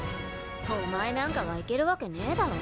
お前なんかが行けるわけねえだろ。